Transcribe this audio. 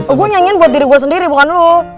oh gue nyanyiin buat diri gue sendiri bukan lo